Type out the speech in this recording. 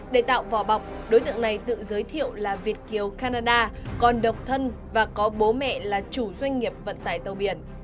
để tạo vỏ bọc đối tượng này tự giới thiệu là việt kiều canada còn độc thân và có bố mẹ là chủ doanh nghiệp vận tải tàu biển